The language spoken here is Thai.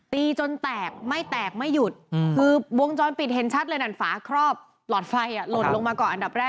ตีจนแตกไม่แตกไม่หยุดคือวงจรปิดเห็นชัดเลยนั่นฝาครอบหลอดไฟหล่นลงมาก่อนอันดับแรก